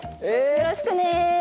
よろしくね！